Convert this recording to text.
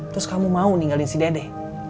terus kamu mau ninggalin si dede